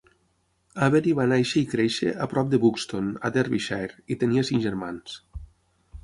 Avery va néixer i créixer a prop de Buxton a Derbyshire, i tenia cinc germans.